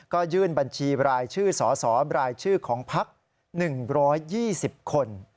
ก็ยื่นบัญชีรายชื่อสสบรายชื่อของพัก๑๒๐คน